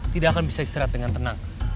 tidak akan bisa istirahat dengan tenang